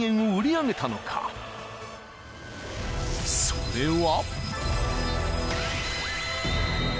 ［それは］